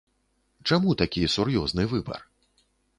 Чаму такі сур'ёзны выбар?